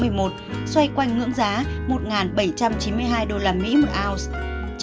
xoay quanh ngưỡng giá một bảy trăm chín mươi hai usd một ounce